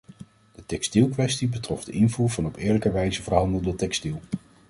De textielkwestie betrof de invoer van op eerlijke wijze verhandelde textiel.